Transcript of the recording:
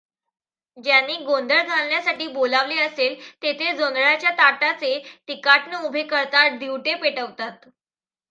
ज्यांनी गोंधळ घालण्यासाठी बोलावले असेल तेथे जोंधळ्याच्या ताटाचे तिकाटणे उभे करतात, दिवटे पेटवतात.